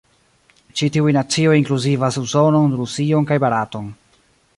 Ĉi tiuj nacioj inkluzivas Usonon, Rusion, kaj Baraton.